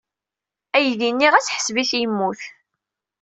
Aydi-nni ɣas ḥṣeb-it yemmut.